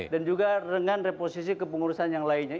dan juga dengan reposisi kepengurusan yang lainnya